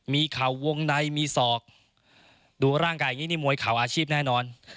มีเข่าวงในมีศอกดูร่างกายอย่างนี้นี่มวยเข่าอาชีพแน่นอน